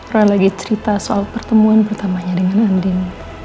roy lagi cerita soal pertemuan pertamanya dengan andin